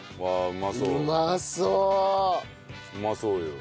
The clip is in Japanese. うまそうよ。